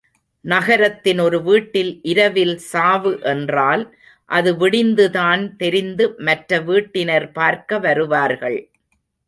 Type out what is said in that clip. நகரத்தின் ஒரு வீட்டில் இரவில் சாவு என்றால் அது விடிந்து தான் தெரிந்து மற்ற வீட்டினர் பார்க்க வருவார்கள்.